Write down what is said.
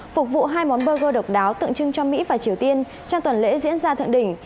phục vụ hai món burger độc đáo tượng trưng cho mỹ và triều tiên trong tuần lễ diễn ra thượng đỉnh